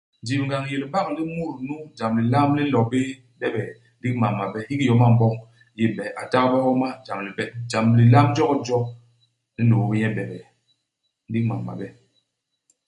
Njibngañ i yé libak li mut nu jam lilam li nlo bé bebee, ndigi mam mabe. Hiki yom a m'boñ i yé ibe. A tagbe homa jam libe. Jam lilam jokijo li nlôô bé nye bebee, ndigi mam mabe.